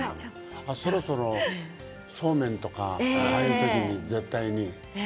そろそろ、そうめんとかああいう時に絶対に。